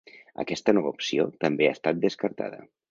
Aquesta nova opció també ha estat descartada.